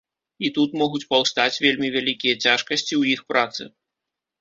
І тут могуць паўстаць вельмі вялікія цяжкасці ў іх працы.